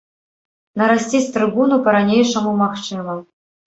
Нарасціць трыбуну па-ранейшаму магчыма.